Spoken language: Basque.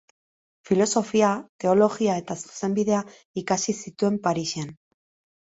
Filosofia, teologia eta zuzenbidea ikasi zituen Parisen.